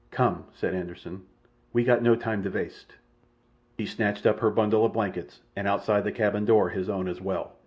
"Come!" said Anderssen. "We got no time to vaste." He snatched up her bundle of blankets, and outside the cabin door his own as well.